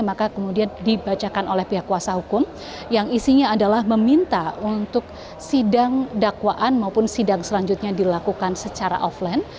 maka kemudian dibacakan oleh pihak kuasa hukum yang isinya adalah meminta untuk sidang dakwaan maupun sidang selanjutnya dilakukan secara offline